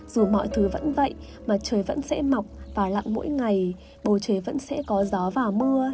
dù mọi thứ vẫn vậy mà trời vẫn sẽ mọc và lặng mỗi ngày bầu trời vẫn sẽ có gió vào mưa